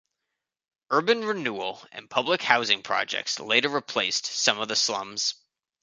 Urban renewal and public housing projects later replaced some of the slums.